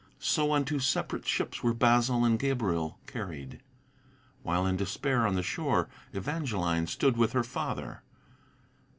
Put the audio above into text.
So unto separate ships were Basil and Gabriel carried, While in despair on the shore Evangeline stood with her father.